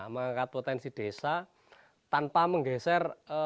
mengangkat potensi desa tanpa menggeser